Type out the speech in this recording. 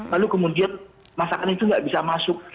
lalu kemudian masakan itu nggak bisa masuk